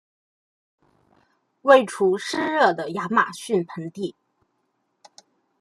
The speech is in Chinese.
位处湿热的亚马逊盆地。